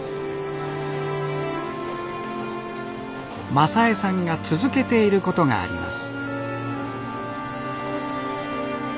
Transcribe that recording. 雅枝さんが続けていることがあります